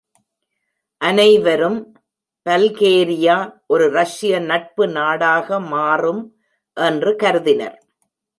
அனைவரும் பல்கேரியா ஒரு ரஷ்ய நட்பு நாடாக மாறும் என்று கருதினர்.